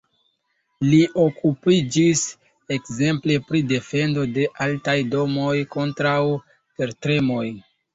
Li okupiĝis ekzemple pri defendo de altaj domoj kontraŭ tertremoj.